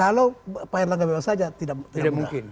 kalau pak erlangga bebas saja tidak mudah